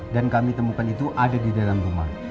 dan kami temukan itu ada di dalam rumah